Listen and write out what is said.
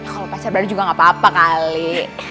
kalo pacar baru juga gak apa apa kali